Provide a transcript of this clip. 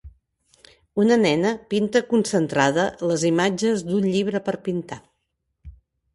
Una nena pinta concentrada les imatges d'un llibre per pintar.